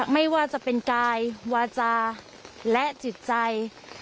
ไม่ว่าจะเป็นกายวาจาและจิตใจ